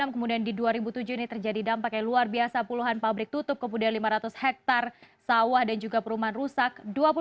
kemudian di dua ribu tujuh ini terjadi dampaknya luar biasa puluhan pabrik tutup kemudian lima ratus hektare sawah dan juga perumahan rusak